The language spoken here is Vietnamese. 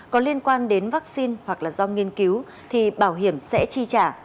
có liên quan đến vaccine hoặc là do nghiên cứu thì bảo hiểm sẽ chi trả